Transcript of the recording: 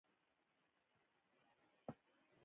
دا غرونه یوازې په طبیعت کې سوله ییز نه دي.